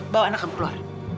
bawa anak kamu keluar